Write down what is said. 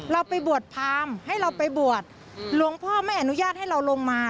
เราไปบวชพรามให้เราไปบวชหลวงพ่อไม่อนุญาตให้เราลงมา